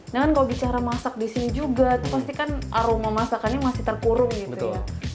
nah kan kalau bicara masak di sini juga itu pasti kan aroma masakannya masih terkurung gitu ya